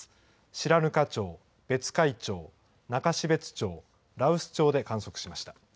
白糠町、別海町、中標津町、羅臼町で観測しました。